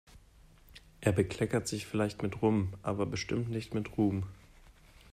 Er bekleckert sich vielleicht mit Rum, aber bestimmt nicht mit Ruhm.